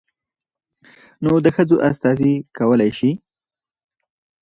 نود ښځو استازي کولى شي.